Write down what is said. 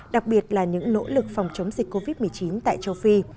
đặc biệt là những nỗ lực phòng chống dịch covid một mươi chín tại châu phi